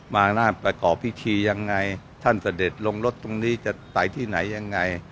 มานั่นประกอบพิธียังไงท่านเสด็จลงรถตรงนี้จะไปที่ไหนยังไง